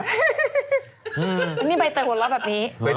นี่ใบเตยหัวเราะแบบนี้